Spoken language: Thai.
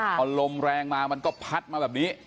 พอลมแรงมามันก็พัดมาแบบนี้